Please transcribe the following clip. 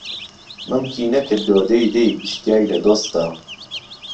مەمکی نەکردۆ دەی دەی ئیشتیای لە دۆستە